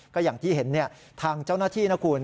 ก็อย่างที่เห็นทางเจ้าหน้าที่นะคุณ